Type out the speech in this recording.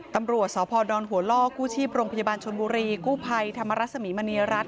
ตำรวจสพดอนหัวล่อกู้ชีพโรงพยาบาลชนบุรีกู้ภัยธรรมรสมีมณีรัฐ